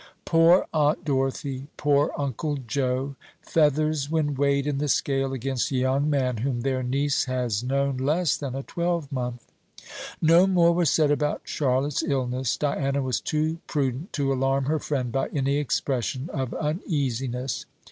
"Poor Aunt Dorothy, poor uncle Joe! feathers when weighed in the scale against a young man whom their niece has known less than a twelvemonth!" No more was said about Charlotte's illness; Diana was too prudent to alarm her friend by any expression of uneasiness.